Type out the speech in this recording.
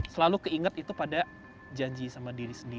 selalu keinget itu pada janji sama diri sendiri